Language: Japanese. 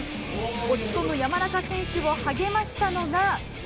落ち込む山中選手を励ましたのが。